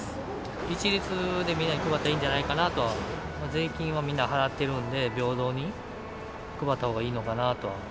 一律でみんなに配ってもいいんじゃないかなって、税金はみんな払ってるんで、平等に配ったほうがいいのかなと。